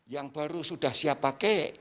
yang baru sudah siap pakai